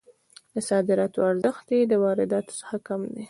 د صادراتو ارزښت یې د وارداتو څخه کم دی.